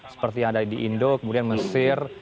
seperti yang ada di indo kemudian mesir